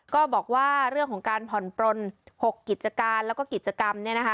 ก็บอกว่าเรื่องของการผ่อนปล้น๖กิจการและกิจกรรม